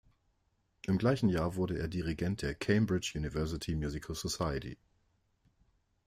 Im gleichen Jahr wurde er Dirigent der "Cambridge University Musical Society".